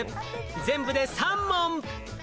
全部で３問。